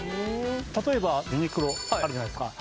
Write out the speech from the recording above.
例えばユニクロあるじゃないですか